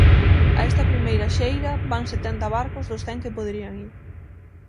A esta primeira xeira van setenta barcos dos cen que poderían ir.